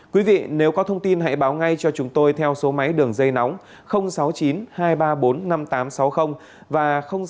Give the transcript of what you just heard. quý vị nếu có thông tin hãy báo ngay cho chúng tôi theo số máy đường dây nóng sáu mươi chín hai trăm ba mươi bốn năm nghìn tám trăm sáu mươi và sáu mươi chín hai trăm ba mươi hai một nghìn sáu trăm sáu mươi bảy